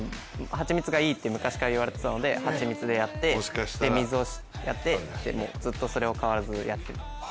はちみつがいいって昔から言われていたのではちみつでやって水をやって、ずっとそれを変わらずやっています。